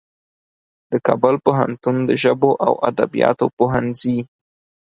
د کابل پوهنتون د ژبو او ادبیاتو پوهنځي